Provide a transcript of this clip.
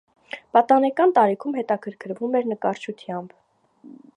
Պատանեկան տարիքում հետաքրքրվում էր նկարչությամբ։